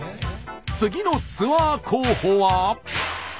次のツアー候補は？